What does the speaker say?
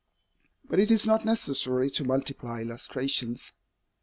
But it is not necessary to multiply illustrations.